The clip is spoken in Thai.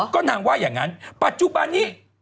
ก็นางว่าอย่างนั้นปัจจุบันนี้